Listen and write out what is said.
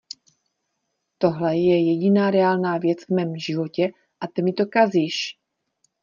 Tohle je jediná reálná věc v mém životě a ty mi to kazíš!